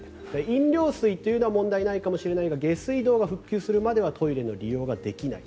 飲料水は問題ないかもしれないが下水道が復旧するまではトイレの利用はできない。